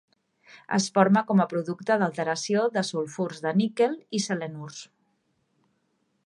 Es forma com a producte d'alteració de sulfurs de níquel i selenurs.